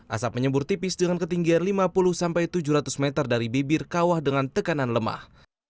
asap menyembur tipis dengan ketinggian lima puluh sampai tujuh ratus meter dari bibir kawah dengan tekanan lemah